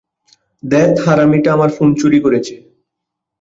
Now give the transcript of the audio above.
ধ্যাত, হারামীটা আমার ফোন চুরি করেছে।